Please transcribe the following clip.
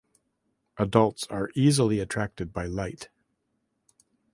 Adults are easily attracted by light.